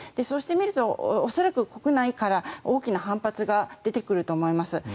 そうしてみると恐らく国内から大きな反発が出てくると思います。